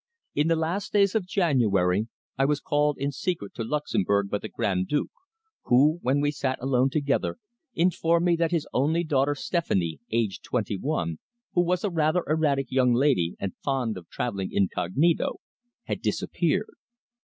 In the last days of January, I was called in secret to Luxemburg by the Grand Duke, who, when we sat alone together, informed me that his only daughter Stephanie, aged twenty one, who was a rather erratic young lady, and fond of travelling incognito, had disappeared.